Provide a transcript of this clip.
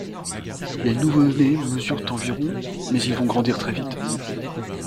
Les nouveau-nés mesurent environ mais ils vont grandir très vite.